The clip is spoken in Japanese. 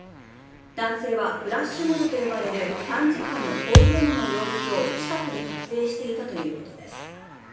男性はフラッシュモブと呼ばれる短時間での抗議デモの様子を近くで撮影していたということです。